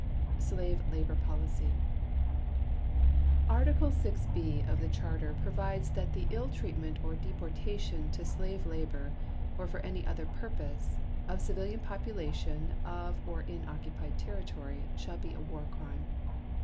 Slave Labor Policy Article 6 (b) of the Charter provides that the "ill treatment or deportation to slave labor or for any other purpose, of civilian population of or in occupied territory" shall be a War Crime.